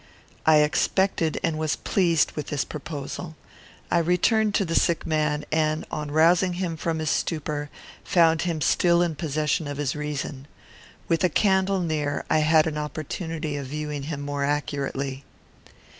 I expected and was pleased with this proposal. I returned to the sick man, and, on rousing him from his stupor, found him still in possession of his reason. With a candle near, I had an opportunity of viewing him more accurately.